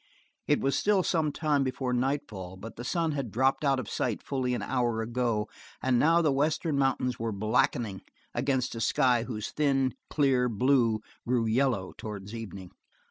It was still some time before nightfall, but the sun had dropped out of sight fully an hour ago and now the western mountains were blackening against a sky whose thin, clear blue grew yellow towards evening.